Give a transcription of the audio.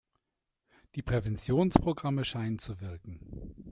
Die Präventionsprogramme scheinen zu wirken.